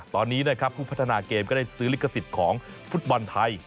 ตอนนี้นะครับผู้พัฒนาเกมก็ได้ซื้อลิขสิทธิ์ของฟุตบอลไทย